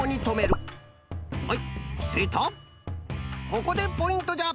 ここでポイントじゃ。